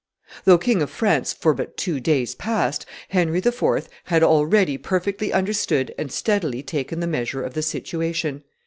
Though King of France for but two days past, Henry IV. had already perfectly understood and steadily taken the measure of the situation.